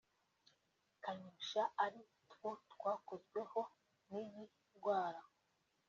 Kanyosha ari two twakozweho n’iyi ndwara